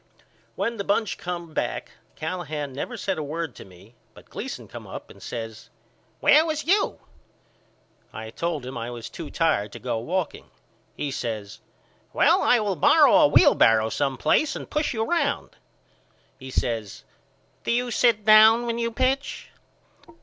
When the bunch come back Callahan never said a word to me but Gleason come up and says Where was you? I told him I was too tired to go walking. He says Well I will borrow a wheelbarrow some place and push you round. He says Do you sit down when you pitch?